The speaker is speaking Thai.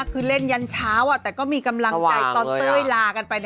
คือเล่นยันเช้าแต่ก็มีกำลังใจตอนเต้ยลากันไป